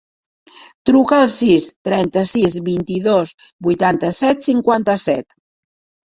Truca al sis, trenta-sis, vint-i-dos, vuitanta-set, cinquanta-set.